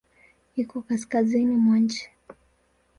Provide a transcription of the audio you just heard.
Iko kaskazini mwa nchi.